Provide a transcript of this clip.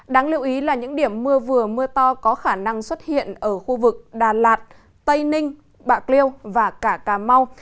đáng lưu ý là những điểm mưa vừa mưa to có khả năng xuất hiện ở khu vực đà lạt tây ninh bạc liêu và cả cà mau